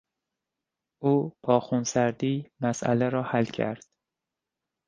او با خونسردی مسئله را حل کرد.